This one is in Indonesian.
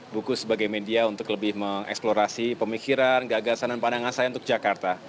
buku sebagai media untuk lebih mengeksplorasi pemikiran gagasan dan pandangan saya untuk jakarta